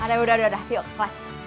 aduh udah udah udah yuk pas